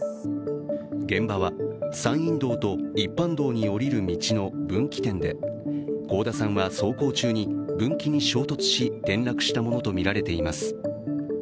現場は山陰道と一般道に降りる道の分岐点で、甲田さんは走行中に分岐に衝突し、転落したものとみられています。